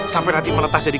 sampai nanti menetas jadi